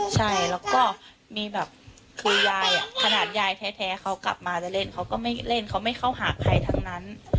ใช่แล้วก็มีแบบคือยายขนาดยายแท้เขากลับมาจะเล่นเขาก็ไม่เล่นเขาไม่เข้าหาใครทั้งนั้น